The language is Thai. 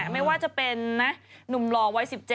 ไม่ว่าจะเป็นนุ่มหล่อวัย๑๗